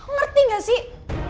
ngerti gak sih